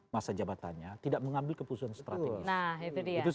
masa jabatannya tidak mengambil keputusan strategis